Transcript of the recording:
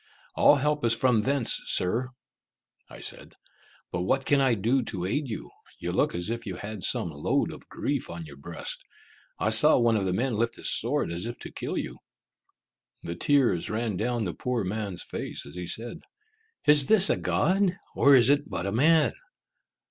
"All help is from thence, Sir," I said; "but what can I do to aid you? You look as if you had some load of grief on your breast. I saw one of the men lift his sword as if to kill you." The tears ran down the poor man's face, as he said, "Is this a god, or is it but a man?"